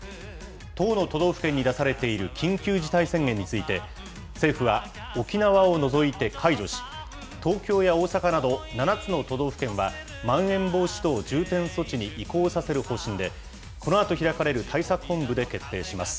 １０の都道府県に出されている緊急事態宣言について、政府は沖縄を除いて解除し、東京や大阪など７つの都道府県はまん延防止等重点措置に移行させる方針で、このあと開かれる対策本部で決定します。